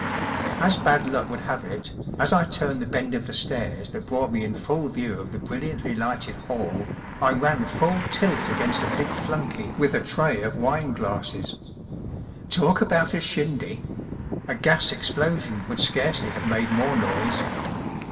As bad luck would have it, as I turned the bend of the stairs that brought me in full view of the brilliantly lighted hall I ran full tilt against a big flunkey with a tray of wine¬ glasses. Talk about a shindy! A gas explosion would scarcely have made more noise.